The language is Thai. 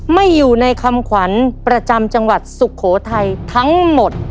ไม่อยู่ในคำขวัญประจำจังหวัดสุโขทัยทั้งหมด